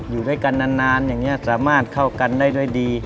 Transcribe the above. อยู่ด้วยกันนานอย่างนี้สามารถเข้ากันได้ด้วยดี